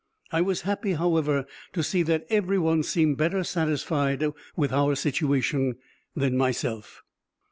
I was happy, however, to see that every one seemed better satisfied with our situation than myself.